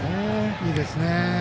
いいですね。